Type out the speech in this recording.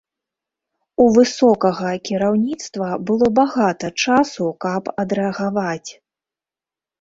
У высокага кіраўніцтва было багата часу, каб адрэагаваць.